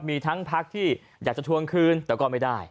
มีทั้งพักที่อยากจะทวงคืนแต่ก็ไม่ได้